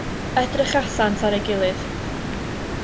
Edrychasant ar ei gilydd.